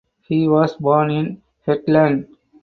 He was born in Hetland.